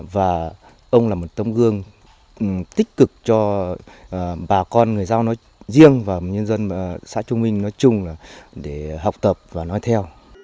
và ông là một tấm gương tích cực cho bà con người giao nói riêng và nhân dân xã trung minh nói chung để học tập và nói theo